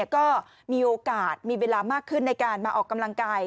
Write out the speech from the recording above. ก็มีโอกาสมีเวลามากขึ้นในการมาออกกำลังกาย